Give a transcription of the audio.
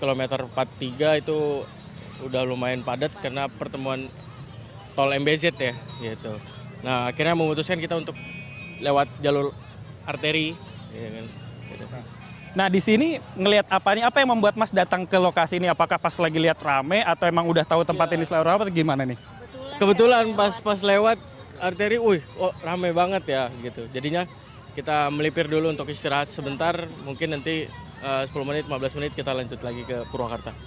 oh rame banget ya jadinya kita melipir dulu untuk istirahat sebentar mungkin nanti sepuluh menit lima belas menit kita lanjut lagi ke purwakarta